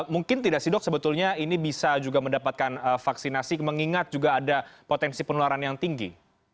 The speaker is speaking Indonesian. mungkin tidak sih dok sebetulnya ini bisa juga mendapatkan vaksinasi mengingat juga ada potensi penularan yang tinggi